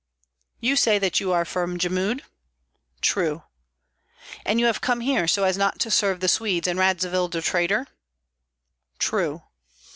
"You say that you are from Jmud?" "True." "And you have come here so as not to serve the Swedes and Radzivill the traitor?" "True."